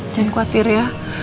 jangan khawatir ya